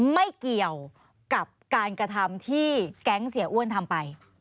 ไม่เกี่ยวกับการกระทำที่แก๊งเสียอ้วนทำไป